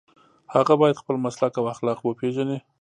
هغه باید خپل مسلک او اخلاق وپيژني.